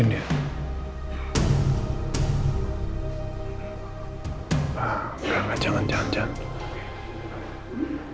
enggak enggak jangan jangan jangan